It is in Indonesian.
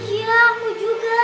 iya aku juga